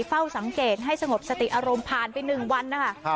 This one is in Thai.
เฝ้าสังเกตให้สงบสติอารมณ์ผ่านไป๑วันนะคะ